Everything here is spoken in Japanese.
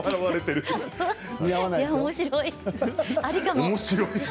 おもしろい。